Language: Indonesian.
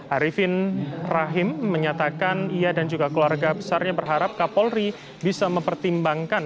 arifin rahim menyatakan ia dan juga keluarga besarnya berharap kapolri bisa mempertimbangkan